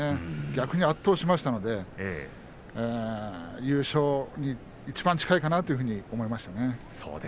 逆に圧倒しましたので優勝にいちばん近いかなと思いましたね。